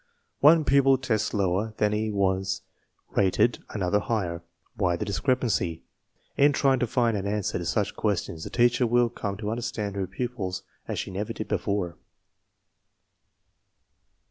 One pupil tests lower than he was rated, another higher. Why the discrepancy? In trying to find an answer to such questions the teacher will come to understand her pupils as she never did before.